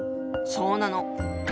そうなの。